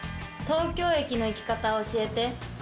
東京駅の行き方を教えて。